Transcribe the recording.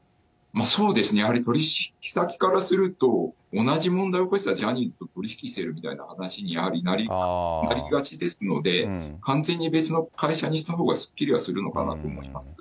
そうですね、やはり取り引き先からすると、同じ問題を起こしたジャニーズと取り引きしてるみたいな話にやはりなりがちですので、完全に別の会社にしたほうがすっきりはするのかなと思います。